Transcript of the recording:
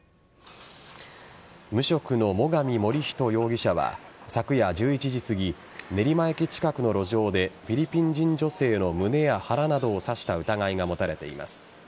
無職の最上守人容疑者は昨夜１１時すぎ練馬駅近くの路上でフィリピン人女性の胸や腹などを刺した疑いが持たれています。